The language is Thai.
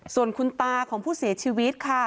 ส่วนคุณตาของผู้เสียชีวิตค่ะ